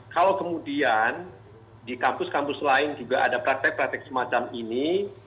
kalau kemudian di kampus kampus lain juga ada praktek praktek semacam ini